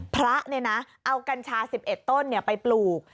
พระเอากัญชา๑๑ต้นไปปลูก